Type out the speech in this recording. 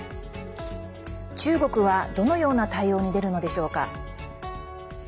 中国は、どのような対応に出るのでしょうか。